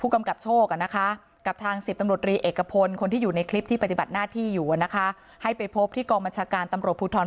กัดหน้าที่อยู่นะคะให้ไปพบที่กองบัญชาการตำรวจภูทร